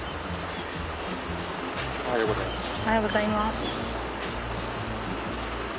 おはようございます。